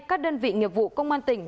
các đơn vị nghiệp vụ công an tỉnh